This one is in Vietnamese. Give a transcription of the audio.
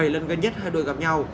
bảy lần gần nhất hai đội gặp nhau